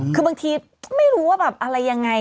คือบางทีไม่รู้ว่าแบบอะไรยังไง